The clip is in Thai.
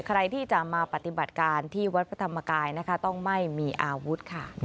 ใครที่จะมาปฏิบัติการที่วัดพระธรรมกายนะคะต้องไม่มีอาวุธค่ะ